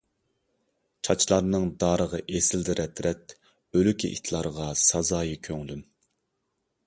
چاچلارنىڭ دارىغا ئېسىلدى رەت- رەت، ئۆلۈكى ئىتلارغا سازايى كۆڭلۈم.